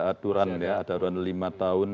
aturan ya ada aturan lima tahun